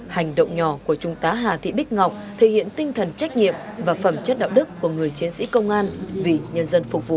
hành động nhỏ của trung tá hà thị bích ngọc thể hiện tinh thần trách nhiệm và phẩm chất đạo đức của người chiến sĩ công an vì nhân dân phục vụ